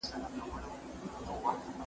جورج ریترز یو کتاب ولیکه.